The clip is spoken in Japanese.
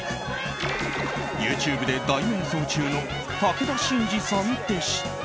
ＹｏｕＴｕｂｅで大迷走中の武田真治さんでした。